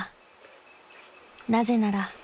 ［なぜなら］